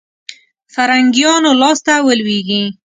فرنګیانو لاسته ولوېږي.